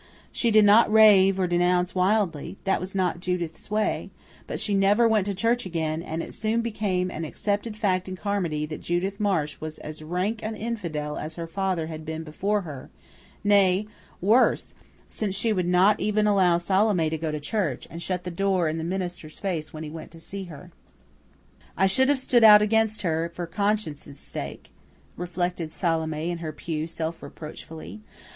She did not rave or denounce wildly; that was not Judith's way; but she never went to church again, and it soon became an accepted fact in Carmody that Judith Marsh was as rank an infidel as her father had been before her; nay, worse, since she would not even allow Salome to go to church, and shut the door in the minister's face when he went to see her. "I should have stood out against her for conscience' sake," reflected Salome in her pew self reproachfully.